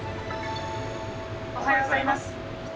「おはようございます」。